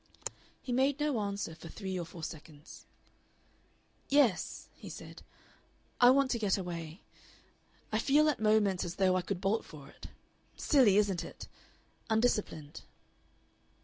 He made no answer for three or four seconds. "Yes," he said, "I want to get away. I feel at moments as though I could bolt for it.... Silly, isn't it? Undisciplined."